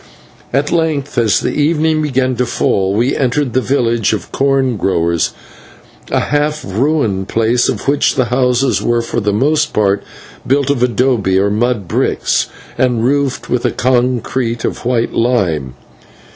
At length, as the evening began to fall, we entered the village of corn growers, a half ruined place of which the houses were for the most part built of /adobe/ or mud bricks, and roofed with a concrete of white lime.